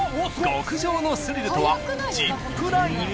極上のスリルとはジップライン。